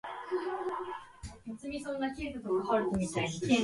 He then moved to Germany when he was six years old.